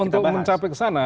untuk mencapai kesana